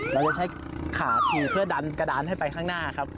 เราจะใช้ขาถี่เพื่อดันกระดานให้ไปข้างหน้าครับ